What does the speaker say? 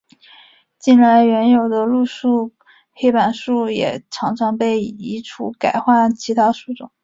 近来原有的路树黑板树也常常被移除改换其他树种。